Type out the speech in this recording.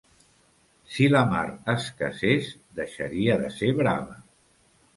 Si la mar es casés, deixaria de ser brava.